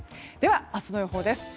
明日の予報です。